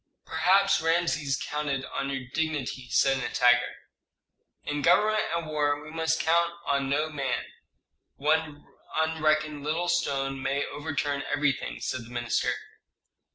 "Perhaps Rameses counted on your dignity," said Nitager. "In government and war we must count on no man: one unreckoned little stone may overturn everything," said the minister.